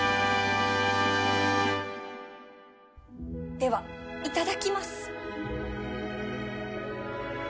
ではいただきます